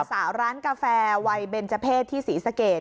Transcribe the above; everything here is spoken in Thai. สาวร้านกาแฟวัยเบนเจอร์เพศที่ศรีสเกต